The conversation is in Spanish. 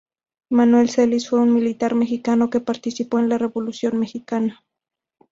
Manuel Celis fue un militar mexicano que participó en la Revolución mexicana.